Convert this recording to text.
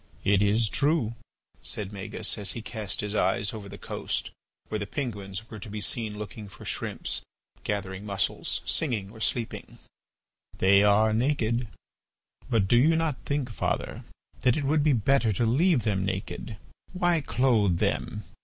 "It is true," said Magis as he cast his eyes over the coast where the penguins were to be seen looking for shrimps, gathering mussels, singing, or sleeping, "they are naked. But do you not think, father, that it would be better to leave them naked? Why clothe them?